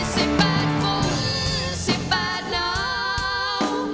สิบแปดฝุ่นสิบแปดน้าว